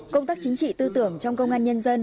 công tác chính trị tư tưởng trong công an nhân dân